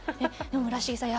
村重さん